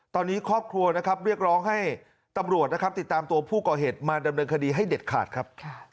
ตอนนี้ครอบครัวนะครับเรียกร้องให้ตำรวจนะครับติดตามตัวผู้ก่อเหตุมาดำเนินคดีให้เด็ดขาดครับ